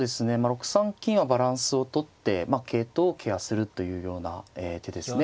６三金はバランスをとって桂頭をケアするというような手ですね。